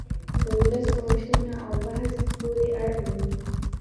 د ولس په غوښتنو او بحث پورې اړه مومي